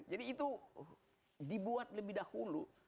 jadi itu dibuat lebih dahulu